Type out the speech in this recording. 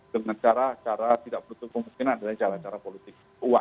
dengan cara tidak berhubungan dengan cara cara politik